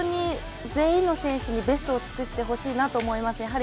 全員の選手にベストを尽くしてほしいなと思います。